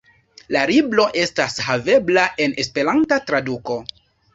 La libro estas havebla en esperanta traduko.